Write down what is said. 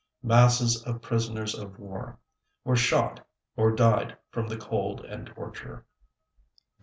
Masses of prisoners of war were shot, or died from the cold and torture.